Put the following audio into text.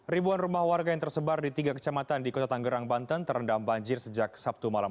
ribuan rumah warga yang tersebar di tiga kecamatan di kota tanggerang banten terendam banjir sejak sabtu malam